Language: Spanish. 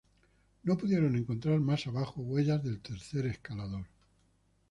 No pudieron encontrar más abajo huellas del tercer escalador.